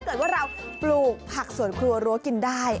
เกิดว่าเราปลูกผักสวนครัวรั้วกินได้